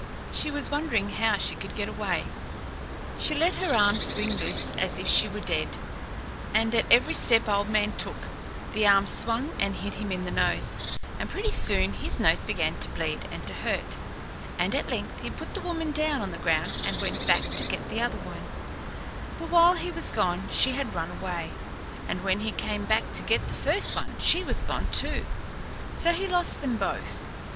She was wondering how she could get away. She let her arms swing loose as if she were dead, and at every step Old Man took the arm swung and hit him in the nose, and pretty soon his nose began to bleed and to hurt, and at length he put the woman down on the ground and went back to get the other woman; but while he was gone she had run away, and when he came back to get the first one she was gone too; so he lost them both.